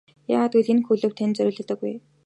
Яагаад гэвэл энэ клуб танд зориулагдаагүй.